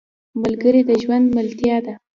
ملګری د ژوند ملتیا ده